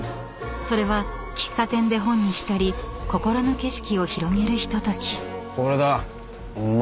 ［それは喫茶店で本に浸り心の景色を広げるひととき］